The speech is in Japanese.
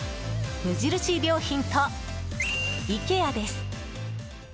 無印良品とイケアです。